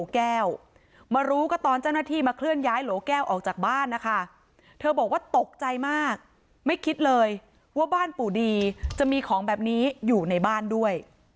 เธอบอกว่าตกใจมากไม่คิดเลยว่าบ้านปู่ดีจะมีของแบบนี้อยู่ในบ้านด้วย